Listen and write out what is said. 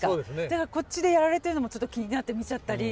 だからこっちでやられてるのもちょっと気になって見ちゃったり。